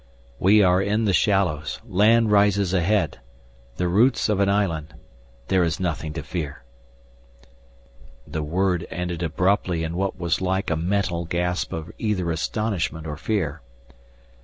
"We are in the shallows land rises ahead. The roots of an island. There is nothing to fear " The word ended abruptly in what was like a mental gasp of either astonishment or fear.